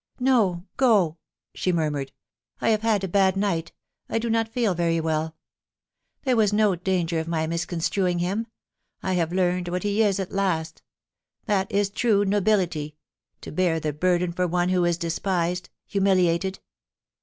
* No — go !' she murmured. * I have had a bad night ; I do not feel very well There was no danger of my miscon struing him. I have learned what he is at last That is tme nobility — to bear the burden for one who is despised humiliated.